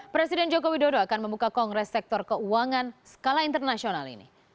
presiden joko widodo akan membuka kongres sektor keuangan skala internasional ini